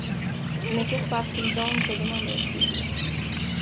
Mais que se passe-t-il donc ? se demandait-il.